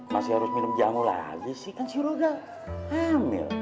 masih harus minum jamu lagi sih kan si rodia hamil